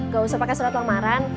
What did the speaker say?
gak usah pakai surat lamaran